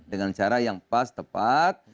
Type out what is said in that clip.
dengan cara yang pas tepat